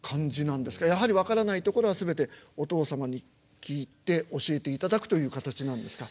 やはり分からないところは全てお父様に聞いて教えていただくという形なんですか？